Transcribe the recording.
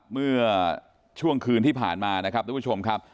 เมื่อช่วงคืนที่ผ่านมานะครับทุกผู้ชมครับ